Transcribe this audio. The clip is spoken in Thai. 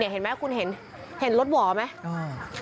เห็นไหมคุณเห็นรถหวอไหม